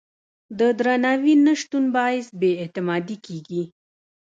د درناوي نه شتون باعث بې اعتمادي کېږي.